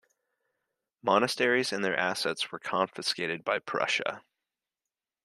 Monasteries and their assets were confiscated by Prussia.